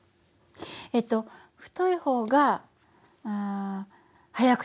えっと太い方が速くて。